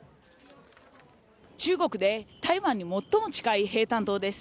中国で台湾に最も近い平潭島です。